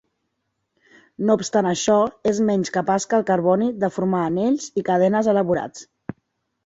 No obstant això, és menys capaç que el carboni de formar anells i cadenes elaborats.